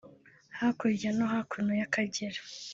“hakurya no hakuno y’Akagera”